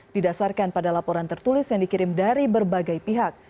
didasarkan pada laporan tertulis yang dikirim dari berbagai pihak